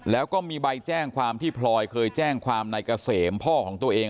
แล้วก็มีใบแจ้งความที่พลอยเคยแจ้งความนายเกษมพ่อของตัวเอง